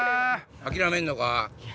諦めんのか？